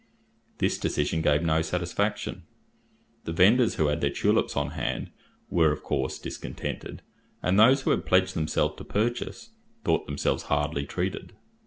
This decision gave no satisfaction. The vendors who had their tulips on hand were, of course, discontented, and those who had pledged themselves to purchase, thought themselves hardly treated.